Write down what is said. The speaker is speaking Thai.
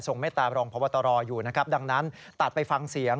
เมตตารองพบตรอยู่นะครับดังนั้นตัดไปฟังเสียง